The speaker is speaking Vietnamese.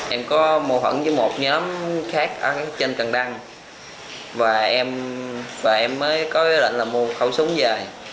em có mô hận với một nhóm khác ở trên cầng đăng và em mới có ý lệnh là mua khẩu súng về